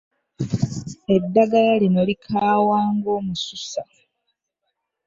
Eddagala lino likaawa ng'omususa.